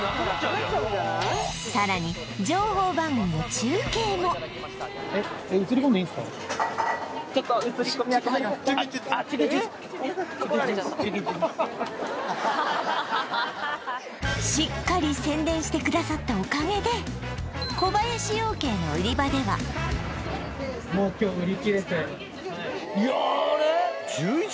さらに情報番組の中継もしっかり宣伝してくださったおかげで小林養鶏の売り場ではいやあれ？